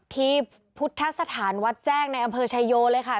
ที่พุทธสถานวัดแจ้งในอำเภอชายโยเลยค่ะ